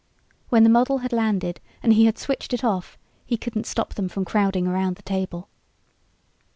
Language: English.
When the model had landed and he had switched it off he couldn't stop them from crowding around the table.